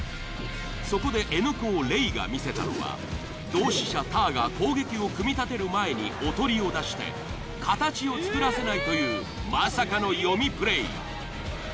そこでＮ高Ｒｅｙが見せたのは同志社たぁが攻撃を組み立てる前に囮を出して形を作らせないというまさかの読みプレイ。